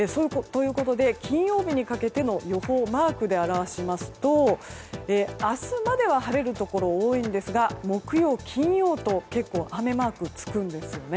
金曜日にかけての予報をマークで表しますと明日までは晴れるところが多いんですが、木曜、金曜と結構、雨マークがつくんです。